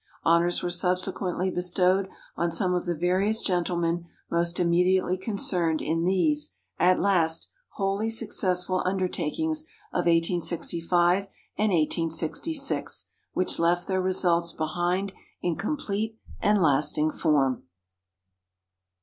Honors were subsequently bestowed on some of the various gentlemen most immediately concerned in these at last wholly successful undertakings of 1865 and 1866, which left their results behind in complete and lasting form.